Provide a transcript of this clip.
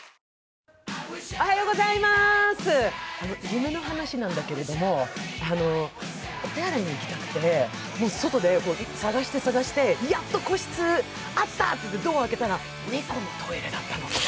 夢の話なんだけれども、お手洗いに行きたくて外で探して探して、やっと個室あったって、ドアを開けたら、猫のトイレだったの。